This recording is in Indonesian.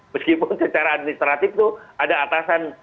meskipun secara administratif itu ada atasan